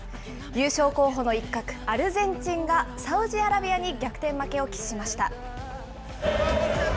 優勝候補の一角、アルゼンチンがサウジアラビアに逆転負けを喫しました。